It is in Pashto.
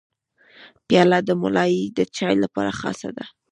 پیاله د ملای د چای لپاره خاصه ده.